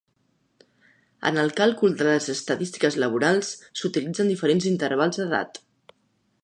En el càlcul de les estadístiques laborals s'utilitzen diferents intervals d'edat.